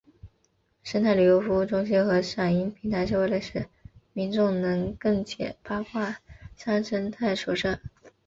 生态旅游服务中心和赏鹰平台是为了使民众能更解八卦山生态所设。